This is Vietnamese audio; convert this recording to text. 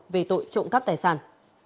về tội trộm cắp tài sản